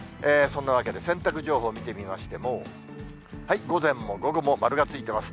そんなわけで、洗濯情報見てみましても、午前も午後も丸がついてます。